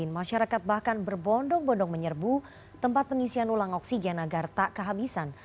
masyarakat bahkan berbondong bondong menyerbu tempat pengisian ulang oksigen agar tak kehabisan